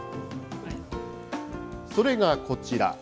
それがこちら。